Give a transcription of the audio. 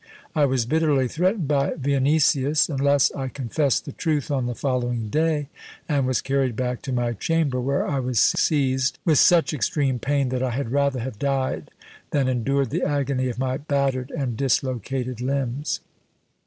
I was bitterly threatened by Vianesius, unless I confessed the truth on the following day, and was carried back to my chamber, where I was seized with such extreme pain, that I had rather have died than endured the agony of my battered and dislocated limbs.